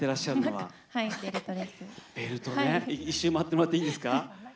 一周、回ってもらっていいですか？